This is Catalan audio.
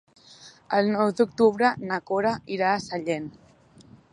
El nou d'octubre na Cora irà a Sallent.